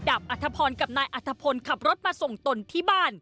อัธพรกับนายอัธพลขับรถมาส่งตนที่บ้าน